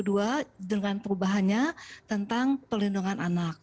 dengan perubahannya tentang pelindungan anak